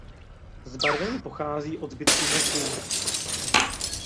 Zbarvení pochází od zbytků mechů.